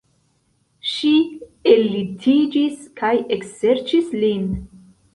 Ŝi ellitiĝis kaj ekserĉis lin.